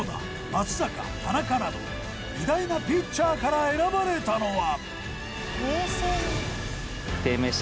松坂田中など偉大なピッチャーから選ばれたのは。